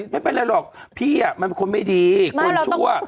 ไม่เป็นไรหรอกพี่มันเป็นคนไม่ดีคนชั่ว